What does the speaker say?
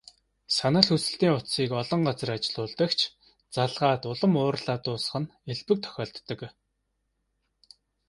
Санал хүсэлтийн утсыг олон газар ажиллуулдаг ч, залгаад улам уурлаад дуусах нь элбэг тохиолддог.